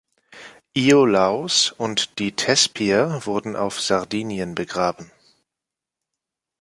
Iolaus und die Thespier wurden auf Sardinien begraben.